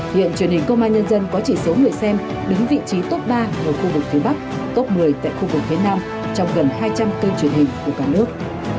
hiện truyền hình công an nhân dân có chỉ số người xem đứng vị trí top ba ở khu vực phía bắc top một mươi tại khu vực phía nam trong gần hai trăm linh kênh truyền hình của cả nước